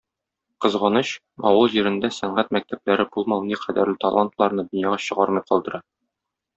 Кызганыч, авыл җирендә сәнгать мәктәпләре булмау никадәрле талантларны дөньяга чыгармый калдыра.